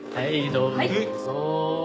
どうぞ。